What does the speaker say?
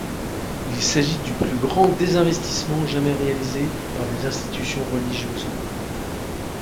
Il s’agit du plus grand désinvestissement jamais réalisé par des institutions religieuses.